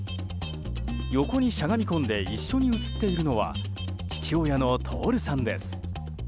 横にしゃがみ込んで一緒に写っているのは父親の徹さんです。